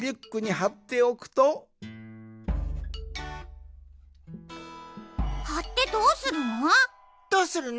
はってどうするの？